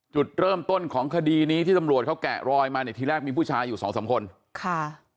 จุดเริ่มต้นของคดีนี้ที่ตำรวจเขาแกะรอยมาเนี่ยทีแรกมีผู้ชายอยู่สองสามคนค่ะ